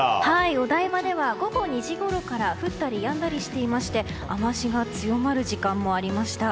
お台場では午後２時ごろから降ったりやんだりしていまして雨脚が強まる時間もありました。